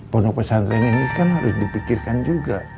pondok pesantren ini kan harus dipikirkan juga